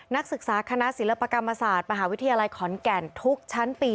นักศึกษาคณะศิลปกรรมศาสตร์มหาวิทยาลัยขอนแก่นทุกชั้นปี